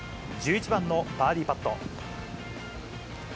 １１番のバーディーパット。